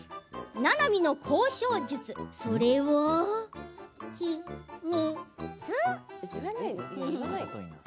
ななみの交渉術、それは秘密。